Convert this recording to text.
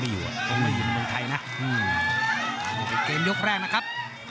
เปลี่ยนยกแรงนะครับ